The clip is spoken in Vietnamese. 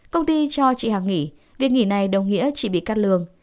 công ty cho chị hàng nghỉ việc nghỉ này đồng nghĩa chị bị cắt lương